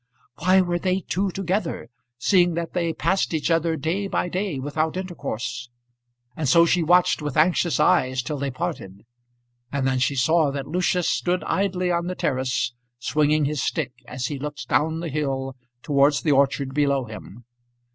Why were they two together, seeing that they passed each other day by day without intercourse? And so she watched with anxious eyes till they parted, and then she saw that Lucius stood idly on the terrace swinging his stick as he looked down the hill towards the orchard below him.